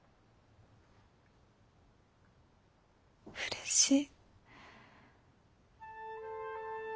うれしい。